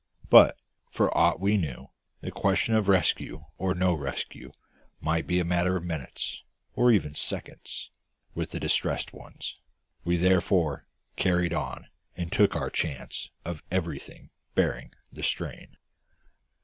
But, for aught we knew, the question of rescue or no rescue might be a matter of minutes, or even of seconds, with the distressed ones; we therefore "carried on," and took our chance of everything bearing the strain.